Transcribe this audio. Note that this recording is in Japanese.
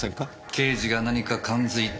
刑事が何か感づいた。